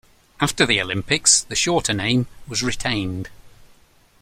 After the Olympics the shorter name was retained.